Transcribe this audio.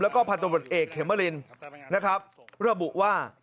แล้วก็พันธบทเอกเขมรินนะครับระบุว่า